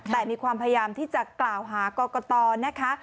แต่มีความพยายามที่จะกล่าวหากรกตนะคะ